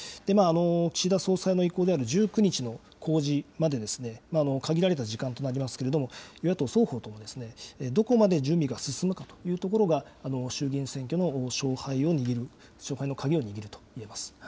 岸田総裁の意向である１９日の公示まで限られた時間となりますけれども、与野党双方とも、どこまで準備が進むかというところが、衆議院選挙の勝敗の鍵を握るといえます。